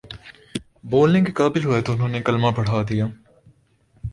بولنے کے قابل ہوئے تو انہوں نے کلمہ پڑھادیا